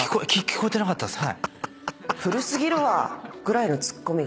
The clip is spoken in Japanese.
聞こえてなかったです。